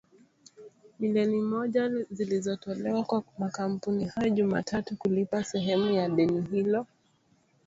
Milioni moja zilitolewa kwa makampuni hayo Jumatatu kulipa sehemu ya deni hilo